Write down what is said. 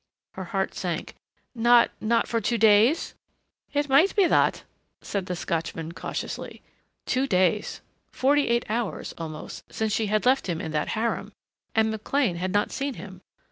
Her heart sank. "Not not for two days?" "It might be that," said the Scotchman cautiously. Two days. Forty eight hours, almost, since she had left him in that harem! And McLean had not seen him.